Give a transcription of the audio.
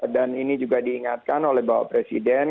dan ini juga diingatkan oleh bapak presiden